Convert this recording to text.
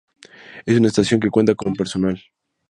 Es una estación que cuenta con personal.